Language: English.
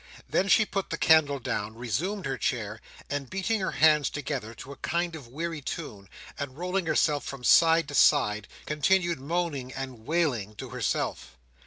Then she put the candle down, resumed her chair, and beating her hands together to a kind of weary tune, and rolling herself from side to side, continued moaning and wailing to herself.